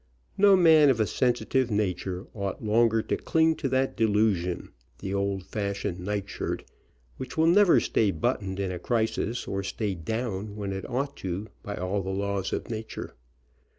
No man of a sensitive nature ought longer to cling to that delusion, the old fashioned night shirt, which will never stay buttoned in a crisis, or stay down when it ought to by all the laws of na ture.